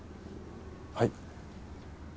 はい。